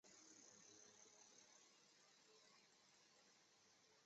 关于过氧化物酶体是否参与类萜和动物胆固醇合成的争论很激烈。